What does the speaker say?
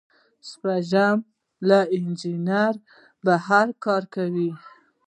شپږم له انجنیری بهر کار کول دي.